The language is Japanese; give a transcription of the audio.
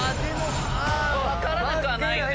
分からなくはないよね。